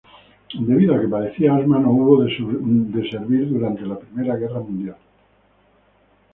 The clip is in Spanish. Debido a que padecía asma, no hubo de servir durante la Primera Guerra Mundial.